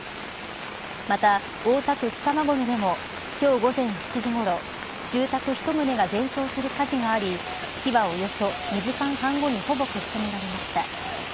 また、大田区北馬込でも今日午前７時ごろ住宅１棟が全焼する火事があり火はおよそ２時間半後にほぼ消し止められました。